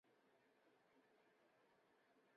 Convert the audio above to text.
簇花蛇根草为茜草科蛇根草属的植物。